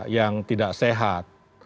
yang tidak sehat